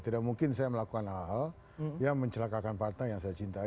tidak mungkin saya melakukan hal hal yang mencelakakan partai yang saya cintai